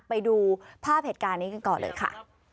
ไปดูภาพเหตุการณ์นี้กันก่อนเลยค่ะ